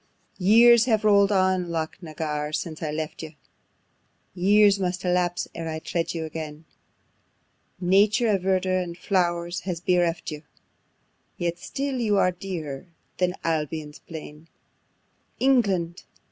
5. Years have roll'd on, Loch na Garr, since I left you, Years must elapse, ere I tread you again: Nature of verdure and flowers has bereft you, Yet still are you dearer than Albion's plain: England!